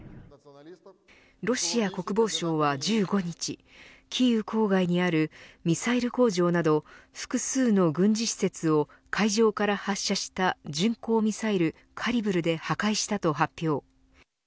ロシア国防省は１５日キーウ郊外にあるミサイル工場など複数の軍事施設を海上から発射した巡航ミサイル、カリブルで破壊したと発表。